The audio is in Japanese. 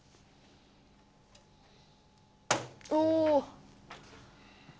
お。